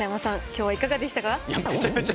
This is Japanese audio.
今日はいかがでしたか？